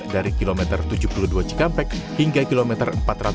dari kilometer tujuh puluh dua cikampek hingga kilometer empat ratus dua puluh